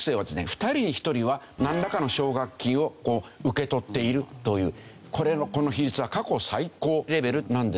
２人に１人はなんらかの奨学金を受け取っているというこの比率は過去最高レベルなんですよね。